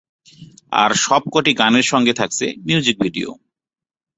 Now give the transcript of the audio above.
আর সবকটি গানের সঙ্গে থাকছে মিউজিক ভিডিও।